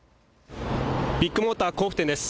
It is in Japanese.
ビッグモーター甲府店です。